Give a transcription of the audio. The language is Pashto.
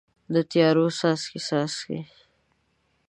د تیارو څاڅکي، څاڅي